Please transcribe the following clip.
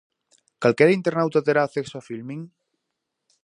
Calquera internauta terá acceso a Filmin?